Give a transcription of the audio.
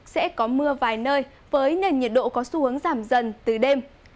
sẽ có mưa vài nơi với nền nhiệt độ có xu hướng giảm dần từ đêm